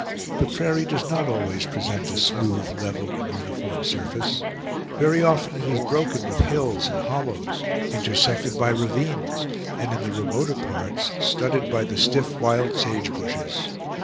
The prairie does not always present a smooth, level, and uniform surface; very often it is broken with hills and hollows, intersected by ravines, and in the remoter parts studded by the stiff wild sage bushes.